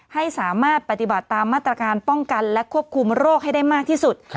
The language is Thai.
ให้สามารถปฏิบัติตามมาตรการป้องกันและควบคุมโรคให้ได้มากที่สุด